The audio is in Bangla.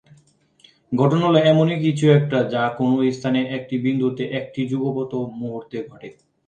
ঘটনা হল এমনই কিছু একটা যা কোন স্থানে একটি বিন্দুতে একটি যুগপৎ মুহূর্তে ঘটে।